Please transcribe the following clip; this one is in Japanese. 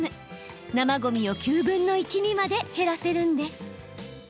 生ごみを９分の１にまで減らせるんです。